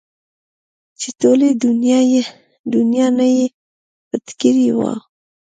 چې ټولې دونيا نه يې پټه کړې وه.